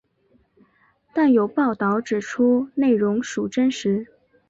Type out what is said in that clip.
但有报导指出内容属真实。